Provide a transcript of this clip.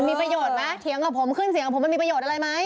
มันมีประโยชน์มาเผลงขึ้นเสียงกับผมมันมีประโยชน์อะไรมั้ย